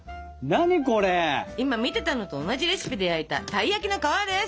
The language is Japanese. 今見ていたのと同じレシピで焼いたたい焼きの「皮」です。